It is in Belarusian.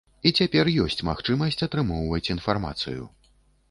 І цяпер ёсць магчымасць атрымоўваць інфармацыю.